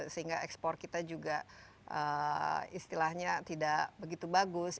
sehingga ekspor kita juga istilahnya tidak begitu bagus